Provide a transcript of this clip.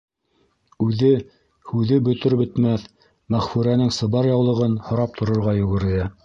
— Үҙе, һүҙе бөтөр-бөтмәҫ, Мәғфүрәнең сыбар яулығын һорап торорға йүгерҙе.